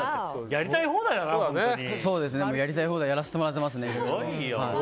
やりたい放題やらせてもらってますね。